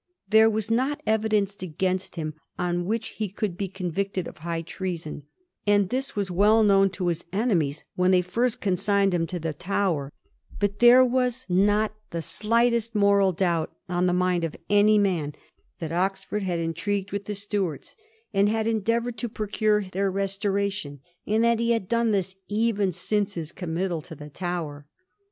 There was not evidence against him on which he could be convicted of high treason ; and this was well known to his enemies when they first consigned him to the Tower. But there could Digiti zed by Google 224 A HISTORY OF THE FOUR GEORGES. ch. i. not be the slightest moral doubt on the mind of any man that Oxford had intrigued with the Stuarts, and had endeavoured to procure their restoration, and that he had done this even since his committal to the Tower.